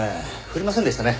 降りませんでしたね。